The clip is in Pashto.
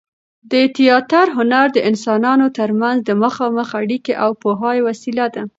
د تياتر هنر د انسانانو تر منځ د مخامخ اړیکې او پوهاوي وسیله ده.